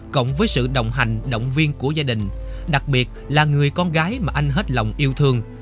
cộng với sự đồng hành động viên của gia đình đặc biệt là người con gái mà anh hết lòng yêu thương